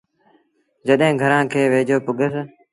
جڏهيݩ گھرآݩ کي ويجھو پُڳس۔